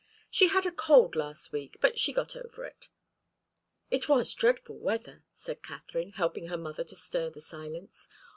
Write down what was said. "She had a cold last week, but she's got over it." "It was dreadful weather," said Katharine, helping her mother to stir the silence.